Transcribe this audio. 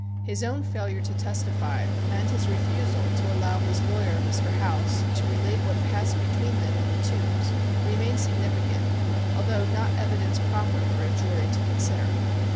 His own failure to testify and his refusal to allow his lawyer, Mr. House, to relate what passed between them in the Tombs, remain significant, although not evidence proper for a jury to consider.